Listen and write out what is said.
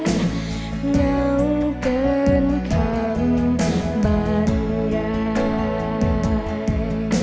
เหงาเกินคำบรรยาย